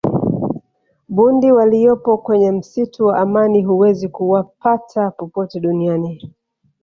bundi waliyopo kwenye msitu wa amani huwezi kuwapata popote duniani